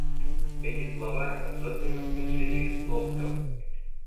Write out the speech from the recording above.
Эти слова особенно смешили Весловского.